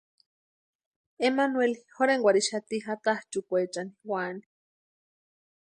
Emmanueli jorhenkwarhixati jatanchʼukwechani úani.